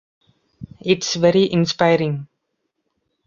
It's very inspiring.